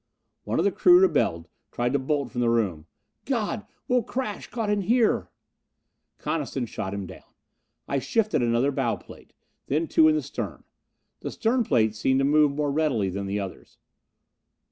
One of the crew rebelled, tried to bolt from the room. "God, we'll crash, caught in here!" Coniston shot him down. I shifted another bow plate. Then two in the stern. The stern plates seemed to move more readily than the others.